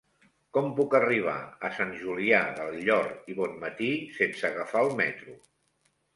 Com puc arribar a Sant Julià del Llor i Bonmatí sense agafar el metro?